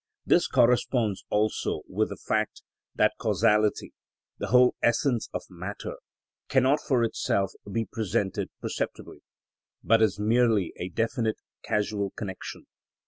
This corresponds also with the fact, that causality (the whole essence of matter) cannot for itself be presented perceptibly, but is merely a definite casual connection.